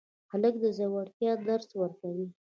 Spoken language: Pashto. هلک د زړورتیا درس ورکوي.